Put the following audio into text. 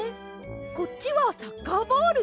こっちはサッカーボール。